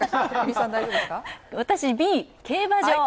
私、Ｂ、競馬場。